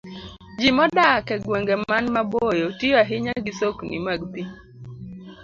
Ji modak e gwenge man maboyo tiyo ahinya gi sokni mag pi.